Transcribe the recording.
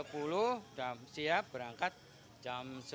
ngobrol kabut dengan kami un qualify dua